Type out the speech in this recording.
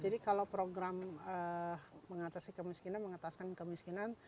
jadi kalau program mengatasi kemiskinan mengataskan kemiskinan